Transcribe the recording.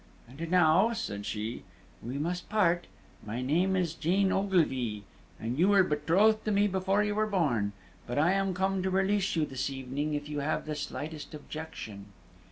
"And now," said she, "we must part. My name is Jane Ogilvie, and you were betrothed to me before you were born. But I am come to release you this evening, if you have the slightest objection."